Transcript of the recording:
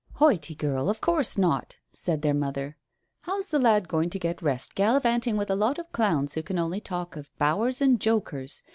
"Hoity, girl, of course not," said their mother. "How's the lad going to get rest gallivanting with a lot of clowns who can only talk of 'bowers' and 'jokers'?